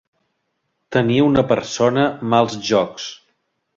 Tenir una persona mals jocs.